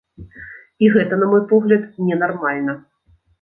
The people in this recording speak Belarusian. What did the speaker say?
І гэта, на мой погляд, ненармальна.